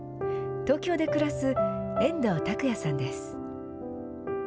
東京で暮らす、遠藤卓也さんです。